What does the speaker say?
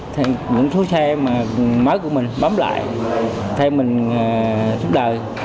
thì những số xe mới của mình bấm lại thay mình giúp đời